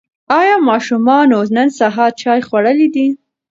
ایا ماشومانو نن سهار چای خوړلی دی؟